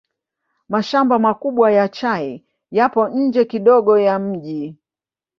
Mashamba makubwa ya chai yapo nje kidogo ya mji.